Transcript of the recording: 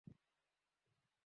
আমি কী ময়ূর মেরেছি?